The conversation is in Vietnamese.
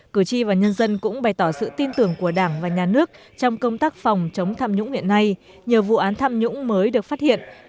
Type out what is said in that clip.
cử tri và nhân dân cũng bày tỏ sự tin tưởng của đảng và nhà nước trong công tác phòng chống tham nhũng hiện nay nhờ vụ án tham nhũng mới được phát hiện